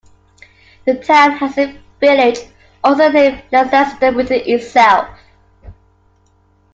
The town has a village also named Leicester within itself.